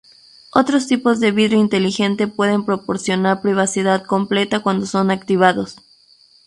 Otros tipos de vidrio inteligente pueden proporcionar privacidad completa cuando son activados.